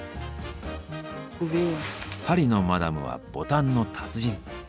パリのマダムはボタンの達人。